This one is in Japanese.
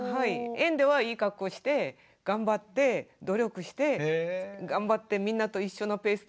園ではいいかっこして頑張って努力して頑張ってみんなと一緒のペースでやってるんですよ。